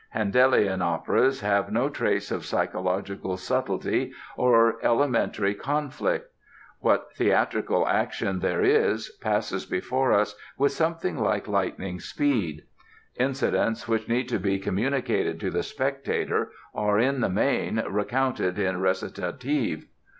Handelian operas have no trace of psychological subtlety or elementary "conflict". What theatrical "action" there is passes before us with something like lightning speed. Incidents which need to be communicated to the spectator are, in the main, recounted in recitative.